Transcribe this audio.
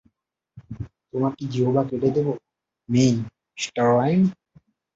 তোমার কি জিহ্বা কেটে দেবো, মিঃ রাইম?